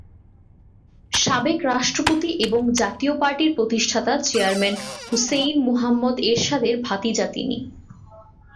সাবেক রাষ্ট্রপতি এবং জাতীয় পার্টির প্রতিষ্ঠাতা চেয়ারম্যান হুসেইন মুহাম্মদ এরশাদের ভাতিজা তিনি।